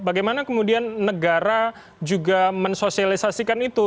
bagaimana kemudian negara juga mensosialisasikan itu